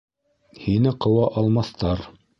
Һине ҡыуа алмаҫтар.